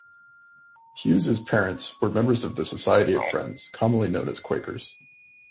Hewes's parents were members of the Society of Friends, commonly known as Quakers.